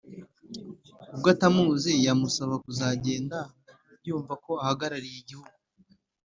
nubwo atamuzi yamusaba kuzagenda yumva ko ahagarariye igihugu